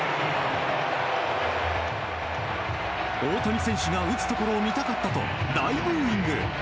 大谷選手が打つところを見たかったと大ブーイング。